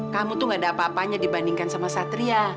kamu tuh gak ada apa apanya dibandingkan sama satria